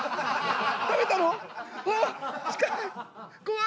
食べたの？わ！